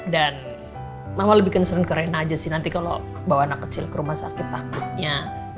dan mama lebih concern ke rena aja sih nanti kalau bawa anak kecil ke rumah sakit takutnya